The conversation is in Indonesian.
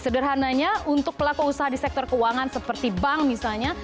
sederhananya untuk pelaku usaha di sektor keuangan seperti bank misalnya